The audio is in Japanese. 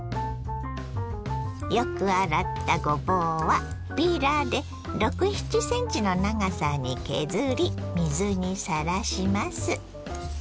よく洗ったごぼうはピーラーで６７ｃｍの長さに削り水にさらします。